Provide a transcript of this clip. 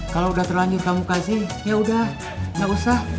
kalo udah terlanjur kamu kasih yaudah gak usah